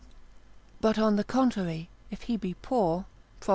But on the contrary, if he be poor, Prov.